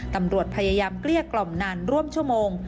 ตำรวจพยายามเกลี้ยกล่อมนานร่วมชั่วโมง